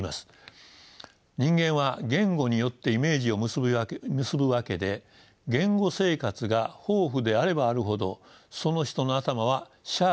人間は言語によってイメージを結ぶわけで言語生活が豊富であればあるほどその人の頭はシャープになっていきます。